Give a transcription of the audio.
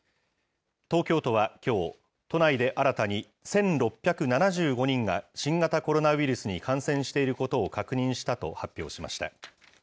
東京都はきょう、都内で新たに１６７５人が新型コロナウイルスに感染していることを確認したと発表しました。